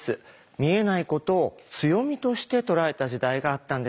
見えないことを強みとして捉えた時代があったんです。